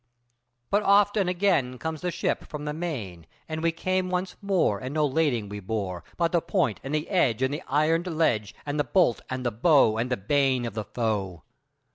But oft and again Comes the ship from the main, And we came once more And no lading we bore But the point and the edge, And the ironed ledge, And the bolt and the bow, And the bane of the foe.